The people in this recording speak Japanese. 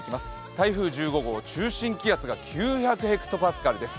台風１５号、中心気圧が９００ｈＰａです。